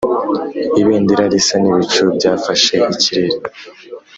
ibendera risa n'ibicu byafashe ikirere,